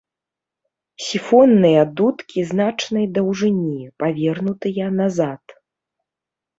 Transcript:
Сіфонныя дудкі значнай даўжыні, павернутыя назад.